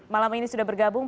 malam ini sudah bergabung